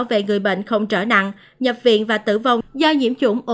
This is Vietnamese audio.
ngăn người bệnh không trở nặng nhập viện và tử vong do nhiễm chủng omicron